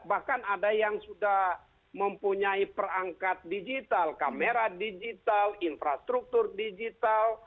bahkan ada yang sudah mempunyai perangkat digital kamera digital infrastruktur digital